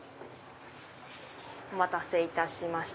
お待たせいたしました。